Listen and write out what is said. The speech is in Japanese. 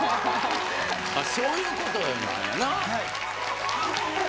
そういうことなんやな。